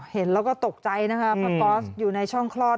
เห็นแล้วก็ตกใจนะคะผ้าก๊อสอยู่ในช่องคลอด